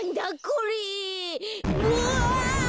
うわ！